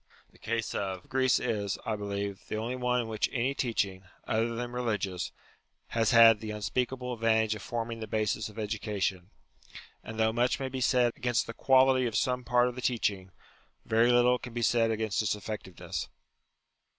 The case of Greece is, I believe, the only one in which any teaching, other than religious, has had the unspeakable advantage of form ing the basis of education : and though much may be said against the quality of some part of the teaching, very little can be said against its effectiveness.